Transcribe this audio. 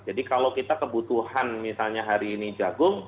jadi kalau kita kebutuhan misalnya hari ini jagung